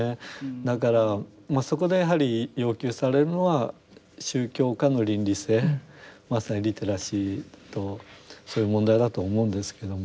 だからそこでやはり要求されるのは宗教家の倫理性まさにリテラシーとそういう問題だと思うんですけども。